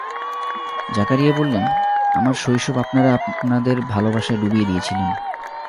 জাকারিয়া বললেন, আমার শৈশব আপনারা আপনাদের ভালবাসায় ডুবিয়ে দিয়েছিলেন।